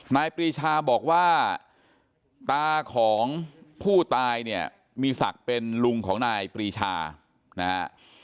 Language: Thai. ปรีชาบอกว่าตาของผู้ตายเนี่ยมีศักดิ์เป็นลุงของนายปรีชานะฮะ